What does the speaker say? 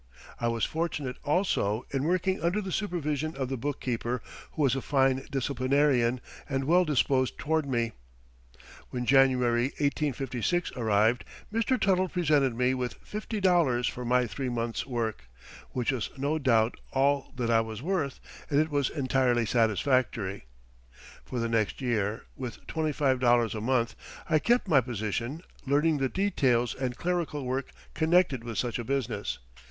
I was fortunate, also, in working under the supervision of the bookkeeper, who was a fine disciplinarian, and well disposed toward me. When January, 1856, arrived, Mr. Tuttle presented me with $50 for my three months' work, which was no doubt all that I was worth, and it was entirely satisfactory. For the next year, with $25 a month, I kept my position, learning the details and clerical work connected with such a business.